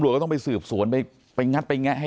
ก็ต้องไปสืบสวนไปไปงะให้ได้